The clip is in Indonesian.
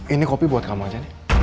ini kopi buat kamu aja nih